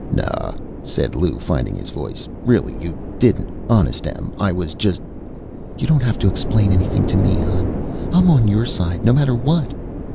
"No," said Lou, finding his voice, "really you didn't. Honest, Em, I was just " "You don't have to explain anything to me, hon. I'm on your side, no matter what."